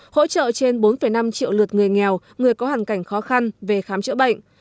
hỗ trợ trên bốn năm triệu lượt người nghèo người có hoàn cảnh khó khăn về khám chữa bệnh